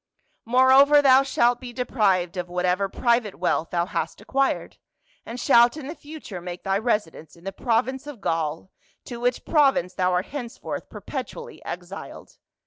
Moreover thou shalt be deprived of whatever private wealth thou hast acquired, and shalt in the future make thy residence in the province of Gaul, to which prov ince thou art henceforth perpetually exiled.